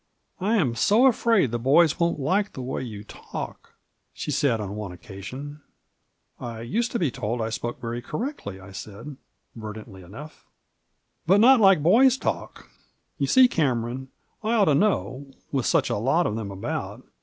"I am so afraid the boys won't like the way you talk," she said on one occasion. "I used to be told I spoke very correctly," I said, verdantly enough. Digitized by VjOOQIC MARJORY. 89 '^But not like boys talk. You see, Cameron, I ought to know, with such a lot of them about.